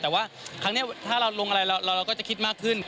แต่ว่าครั้งนี้ถ้าเราลงอะไรเราก็จะคิดมากขึ้น